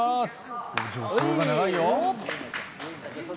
助走が長いよ。